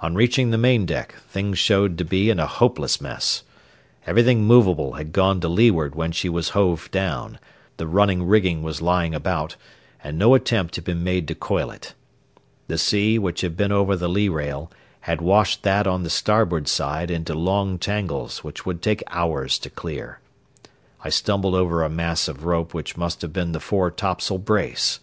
On reaching the main deck, things showed to be in a hopeless mess. Everything movable had gone to leeward when she was hove down, the running rigging was lying about, and no attempt had been made to coil it. The sea, which had been over the lee rail, had washed that on the starboard side into long tangles which would take hours to clear. I stumbled over a mass of rope which must have been the fore topsail brace.